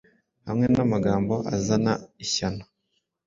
Hamwe namagambo azana ishyano